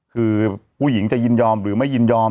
คือผู้หญิงจะยินยอมหรือไม่ยินยอม